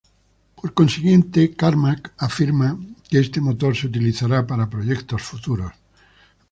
Por consiguiente, Carmack afirma que este motor se utilizará para proyectos futuros.